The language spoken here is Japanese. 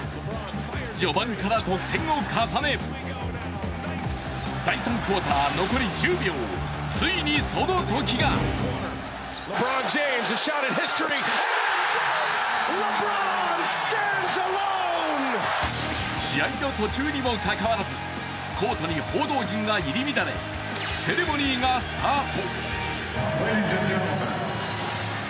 序盤から得点を重ね、第３クオーター、残り１０秒、ついにそのときが試合の途中にもかかわらずコートに報道陣が入り乱れセレモニーがスタート。